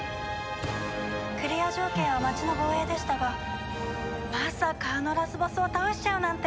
「クリア条件は町の防衛でしたがまさかあのラスボスを倒しちゃうなんて」